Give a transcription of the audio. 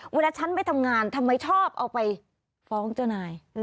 เวลาฉันไม่ทำงานทำไมชอบเอาไปฟ้องเจ้านาย